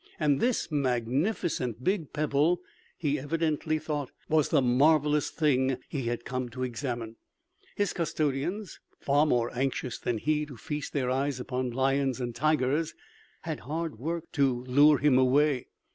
And this magnificent big pebble, he evidently thought, was the marvelous thing he had come to examine. His custodians, far more anxious than he to feast their eyes upon lions and tigers, had hard work to lure him away.